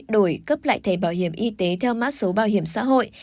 đổi cấp lại thẻ bảo hiểm y tế theo mã số bảo hiểm xã hội